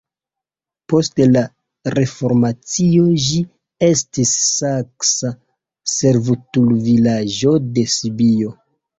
Post la reformacio ĝi estis saksa servutulvilaĝo de Sibio.